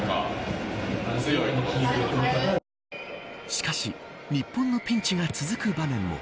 しかし日本のピンチが続く場面も。